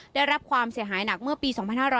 ได้รับความเสียหายหนักเมื่อปี๒๕๕๙